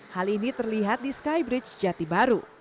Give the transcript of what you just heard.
hal ini terlihat di skybridge jatibaru